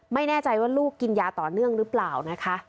ไม่แน่ใจว่าลูกกินยาต่อเนื่องหรือเปล่านะคะ